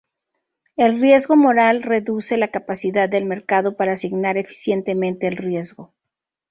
El riesgo moral reduce la capacidad del mercado para asignar eficientemente el riesgo.